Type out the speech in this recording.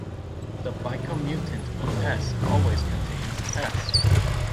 The bicommutant of "S" always contains "S".